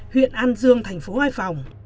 huyện an dương thành phố hải phòng